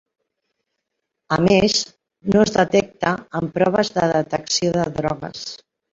A més, no es detecta en proves de detecció de drogues.